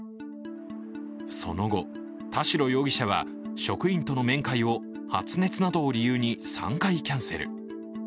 その後、田代容疑者は職員との面会を発熱などを理由に３回キャンセル。